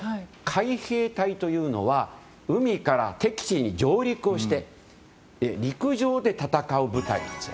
海兵隊は海から敵地に上陸をして陸上で戦う部隊なんです。